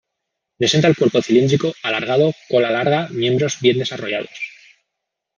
Presenta el cuerpo cilíndrico, alargado, cola larga, miembros bien desarrollados.